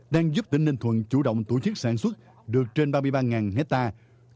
đang giúp tỉnh ninh thuận chủ động tổ chức sản xuất được trên ba mươi ba hectare